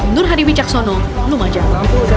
nur hadiwi caksono lumajang